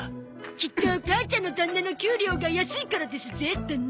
きっと母ちゃんのダンナの給料が安いからですぜダンナ。